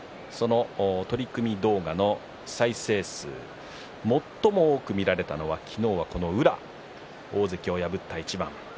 取組動画再生数最も多く見られたのは、昨日は宇良、大関を破った一番